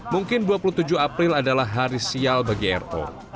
mungkin dua puluh tujuh april adalah hari sial bagi ro